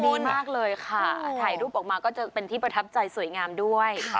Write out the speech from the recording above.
ดีมากเลยค่ะถ่ายรูปออกมาก็จะเป็นที่ประทับใจสวยงามด้วย